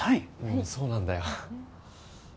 うんそうなんだよ